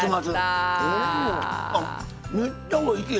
あめっちゃおいしい！